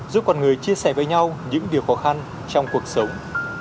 giúp con người chia sẻ với nhau những việc khó khăn trong cuộc sống